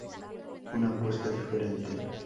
Una apuesta diferente.